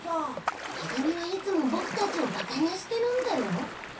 い組はいつもボクたちをバカにしてるんだよ。